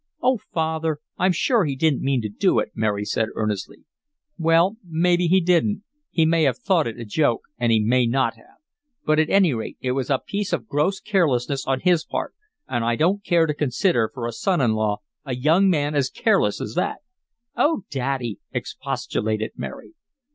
"Oh, Father, I'm sure he didn't mean to do it!" Mary said, earnestly. "Well, maybe he didn't! He may have thought it a joke, and he may not have! But, at any rate, it was a piece of gross carelessness on his part, and I don't care to consider for a son in law a young man as careless as that!" "Oh, Daddy!" expostulated Mary.